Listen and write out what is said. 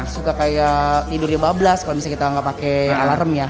suka kayak tidurnya bablas kalau misalnya kita nggak pakai alarm ya